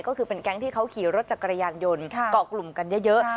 ก็คือเป็นแก๊งที่เขาขี่รถจักรยานยนต์เกาะกลุ่มกันเยอะ